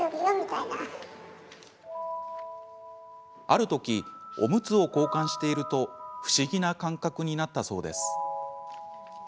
ある時、おむつを交換していると不思議な感覚になったそうです。